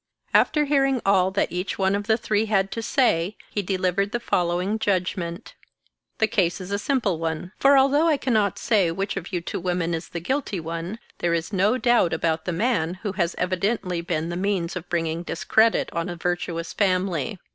After hearing all that each one of the three had to say, he delivered the following judgment :The case is a simple one ; for although I cannot say which of you two women is the guilty one, there is no doubt about the man, who has evidently been the means of bring ing discredit on a virtuous family.